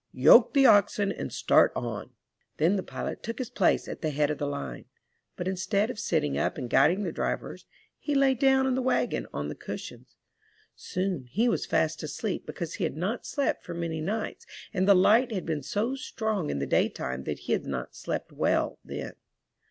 Yoke the oxen and start on." Then the pilot took his place at the head of the line. But instead of sitting up and guiding the drivers, he lay down in the wagon on the cushions. Soon he was fast asleep, because he had not slept for many nights, and the light had been so strong in the day time that he had not slept well then.